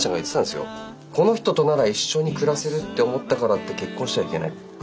「この人となら一緒に暮らせるって思ったからって結婚してはいけない。